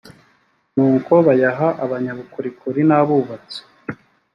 nuko bayaha abanyabukorikori n abubatsi